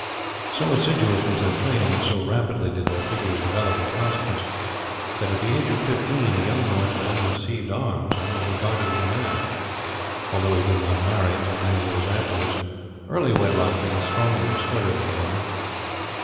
So assiduous was their training, and so rapidly did their figures develop in consequence, that at the age of fifteen a young Northman received arms and was regarded as a man, although he did not marry until many years afterwards, early wedlock being strongly discouraged among them.